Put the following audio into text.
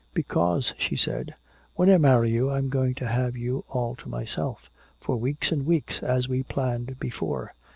"Because," she said, "when I marry you I'm going to have you all to myself for weeks and weeks as we planned before!